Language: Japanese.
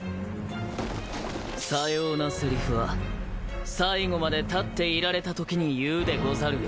左様なせりふは最後まで立っていられたときに言うでござるよ。